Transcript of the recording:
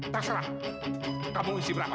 terserah kamu isi berapa